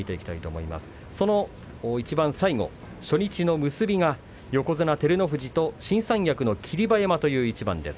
いちばん最後、初日の結びが横綱照ノ富士が新三役の霧馬山という一番です。